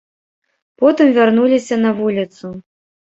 Потым вярнуліся на вуліцу.